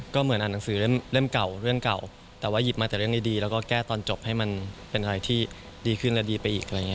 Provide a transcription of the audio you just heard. ก็เหมือนอ่านหนังสือเรื่องเก่าแต่ว่าหยิบมาแต่เรื่องดีแล้วก็แก้ตอนจบให้มันเป็นอะไรที่ดีขึ้นและดีไปอีก